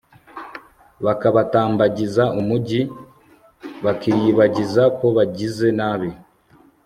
bakabatambagiza umugi, bakiyibagiza ko bagize nabi